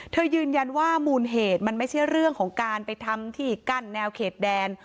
ยืนยันว่ามูลเหตุมันไม่ใช่เรื่องของการไปทำที่กั้นแนวเขตแดน